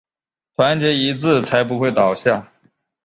团结一致才不会倒下